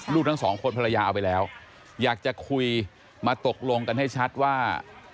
ทั้งสองคนภรรยาเอาไปแล้วอยากจะคุยมาตกลงกันให้ชัดว่า